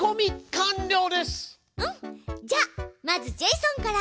じゃあまずジェイソンから。